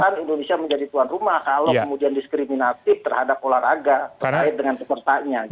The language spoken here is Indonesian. kalau kemudian diskriminatif terhadap olahraga terkait dengan kepertanyaan